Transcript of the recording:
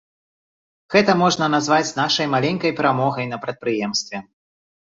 Гэта можна назваць нашай маленькай перамогай на прадпрыемстве.